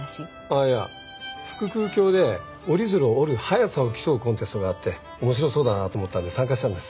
いや腹腔鏡で折り鶴を折る速さを競うコンテストがあって面白そうだなと思ったんで参加したんです。